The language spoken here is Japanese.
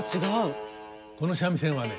この三味線はね